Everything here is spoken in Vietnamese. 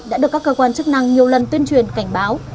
đã được các cơ quan chức năng nhiều lần tuyên truyền cảnh báo